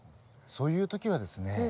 そういう時はですね